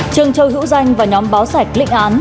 trương châu hữu danh và nhóm báo sạch lịnh án